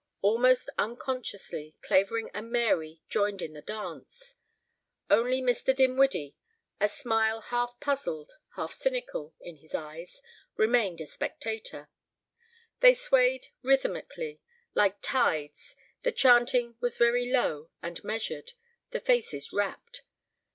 Almost unconsciously Clavering and Mary joined in the dance. Only Mr. Dinwiddie, a smile half puzzled, half cynical, in his eyes, remained a spectator. They swayed rhythmically, like tides, the chanting was very low and measured, the faces rapt.